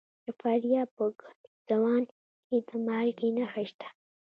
د فاریاب په ګرزوان کې د مالګې نښې شته.